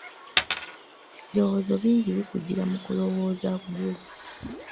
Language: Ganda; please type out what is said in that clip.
Ebirowoozo bingi bikujjira mu kulowooza gwo.